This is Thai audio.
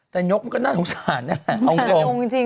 แต่นกมันก็น่าสงสารนี่แหละเอาตรงเอาตรงจริง